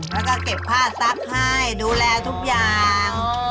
แล้วก็เก็บผ้าซักให้ดูแลทุกอย่าง